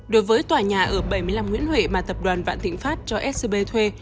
đối với tòa nhà ở bảy mươi năm nguyễn huệ mà tập đoàn vạn thịnh pháp cho scb thuê